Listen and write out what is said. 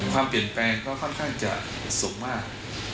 ความเปลี่ยนแปลงก็ค่อนข้างจะสูงมาก